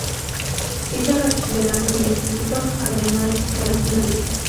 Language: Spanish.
Hizo el bachillerato en el Instituto Cardenal Cisneros de Madrid.